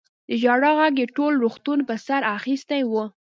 د ژړا غږ يې ټول روغتون په سر اخيستی و.